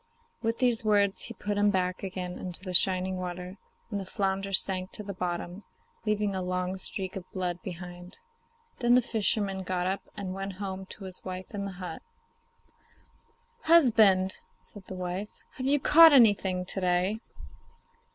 With these words he put him back again into the shining water, and the flounder sank to the bottom, leaving a long streak of blood behind. Then the fisherman got up, and went home to his wife in the hut. 'Husband,' said his wife, 'have you caught nothing to day?